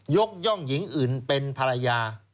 ย่องหญิงอื่นเป็นภรรยา